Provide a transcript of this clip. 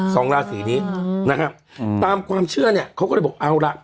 สองราศีนี้อืมนะฮะอืมตามความเชื่อเนี้ยเขาก็เลยบอกเอาล่ะ